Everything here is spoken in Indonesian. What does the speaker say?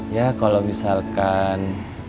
ya kalau misalkan